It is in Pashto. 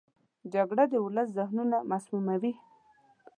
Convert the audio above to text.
جګړه د ولس ذهنونه مسموموي